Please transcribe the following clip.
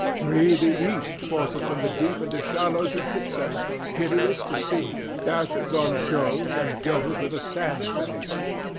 Three the east forces from the deep into shallows and quicksands, piteous to see, dashes on shoals and girdles with a sandbank.